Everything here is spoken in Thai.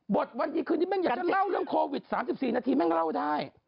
วันดีคืนนี้แม่งอยากจะเล่าเรื่องโควิด๓๔นาทีแม่งเล่าได้